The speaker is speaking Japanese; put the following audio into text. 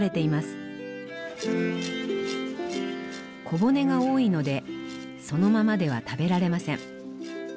小骨が多いのでそのままでは食べられません。